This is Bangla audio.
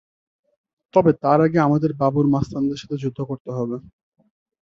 তবে তার আগে, আমাদের বাবুর মাস্তানদের সাথে যুদ্ধ করতে হবে।